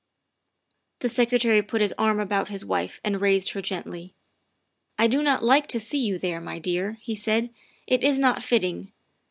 '' The Secretary put his arm about his wife and raised her gently. " I do not like to see you there, my dear," he said, "it is not fitting.